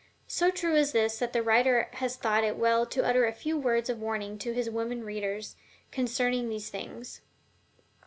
So true is this that the writer has thought it well to utter a few words of warning to his women readers concerning these things.